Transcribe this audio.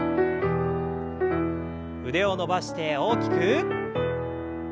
腕を伸ばして大きく。